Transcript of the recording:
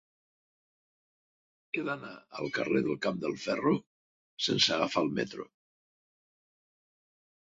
He d'anar al carrer del Camp del Ferro sense agafar el metro.